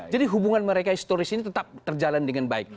jadi hubungan mereka historis ini tetap terjalan dengan baik